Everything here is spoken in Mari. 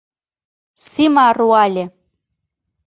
— Сима руале.